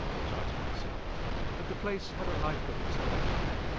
thought I to myself. But the place had a life of its own.